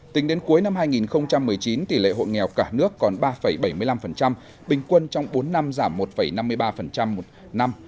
tính đến cuối năm hai nghìn một mươi chín tỷ lệ hộ nghèo cả nước còn ba bảy mươi năm bình quân trong bốn năm giảm một năm mươi ba một năm